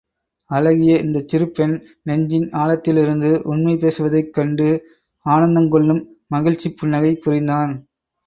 அழகிய இந்தச் சிறு பெண் நெஞ்சின் ஆழத்திலிருந்து உண்மை பேசுவதைக் கண்டு ஆனந்தங்கொள்ளும் மகிழ்ச்சிப் புன்னகை புரிந்தான்.